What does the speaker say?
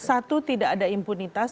satu tidak ada impunitas